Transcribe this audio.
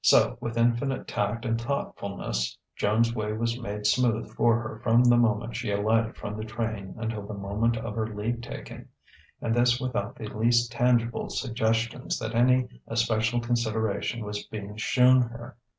So with infinite tact and thoughtfulness Joan's way was made smooth for her from the moment she alighted from the train until the moment of her leave taking; and this without the least tangible suggestion that any especial consideration was being shewn her.